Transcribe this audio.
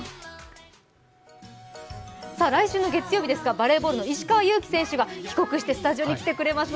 来週の月曜日ですがバレーボールの石川祐希選手が帰国してスタジオに来てくれます。